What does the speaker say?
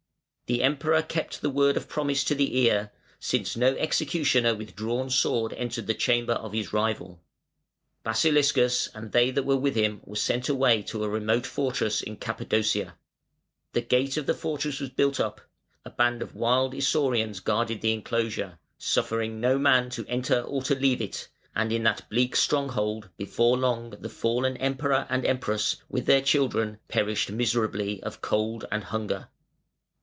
The Emperor "kept the word of promise to the ear", since no executioner with drawn sword entered the chamber of his rival. Basiliscus and they that were with him were sent away to a remote fortress in Cappadocia. The gate of the fortress was built up, a band of wild Isaurians guarded the enclosure, suffering no man to enter or to leave it, and in that bleak stronghold before long the fallen Emperor and Empress with their children perished miserably of cold and hunger.